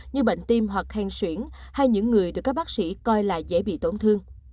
như bệnh tim hoặc hèn xuyển hay những người được các bác sĩ coi là dễ bị tổn thương